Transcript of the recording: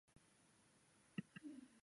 也是第五个来自亚洲的环姐。